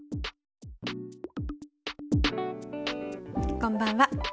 こんばんは。